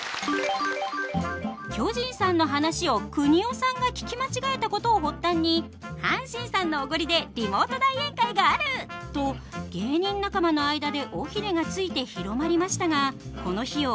巨人さんの話をくにおさんが聞き間違えたことを発端に阪神さんのおごりでリモート大宴会があると芸人仲間の間で尾ひれがついて広まりましたがこの費用